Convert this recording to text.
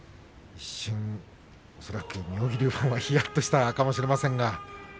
一瞬、妙義龍はひやっとしたかもしれません。